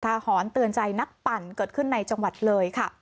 หอนเตือนใจนักปั่นเกิดขึ้นในจังหวัดเลยค่ะ